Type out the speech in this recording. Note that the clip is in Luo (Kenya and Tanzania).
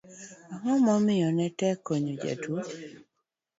ang'o momiyo ne tek konyo jotuwo?